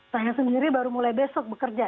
saya sendiri baru mulai besok bekerja